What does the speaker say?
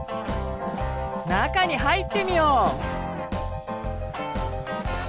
中に入ってみよう！